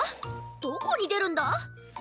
どこにでるんだ？